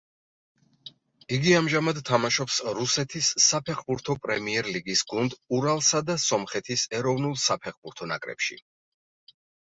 იგი ამჟამად თამაშობს რუსეთის საფეხბურთო პრემიერლიგის გუნდ ურალსა და სომხეთის ეროვნულ საფეხბურთო ნაკრებში.